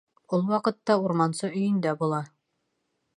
Ул ваҡытта урмансы өйөндә була.